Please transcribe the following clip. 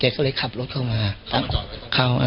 ก็เลยขับรถเข้ามา